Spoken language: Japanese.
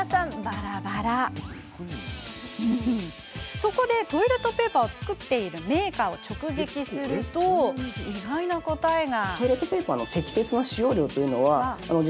そこでトイレットペーパーを作っているメーカーを直撃すると意外な答えが。